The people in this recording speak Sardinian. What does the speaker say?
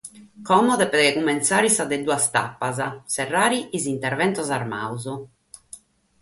Como devet cumintzare sa de duas tapas: serrare sos interventos armados.